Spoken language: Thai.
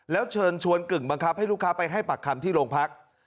แล้วเชิญชวนกึ่งบังคับให้ลูกค้าไปให้ปากคำที่โรงพัก